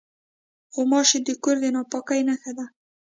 غوماشې د کور د ناپاکۍ نښه دي.